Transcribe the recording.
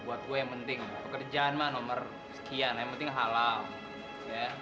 buat gue yang penting pekerjaan mah nomor sekian yang penting halal